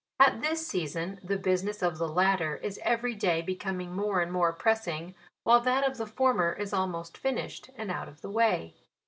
At this season, the business of the latter is every day becoming more and more pressing, while that of the former is almost finished, and out of the way.